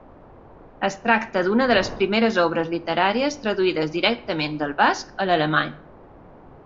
Es tracta d'una de les primeres obres literàries traduïdes directament del basc a l'alemany.